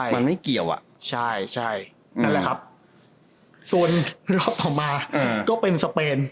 มันไม่เกี่ยวอ่ะใช่ใช่นั่นแหละครับส่วนรอบต่อมาก็เป็นสเปน